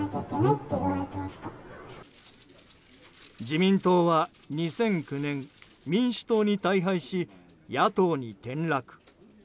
自民党は２００９年民主党に大敗し、野党に転落。